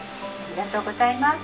ありがとうございます。